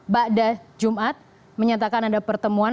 pada jumat menyatakan ada pertemuan